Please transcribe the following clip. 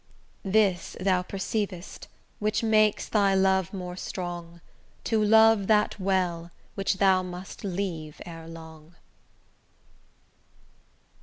This thou perceiv'st, which makes thy love more strong, To love that well, which thou must leave ere long.